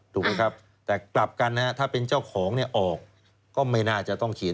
ถูกไหมครับแต่กลับกันนะฮะถ้าเป็นเจ้าของเนี่ยออกก็ไม่น่าจะต้องเขียน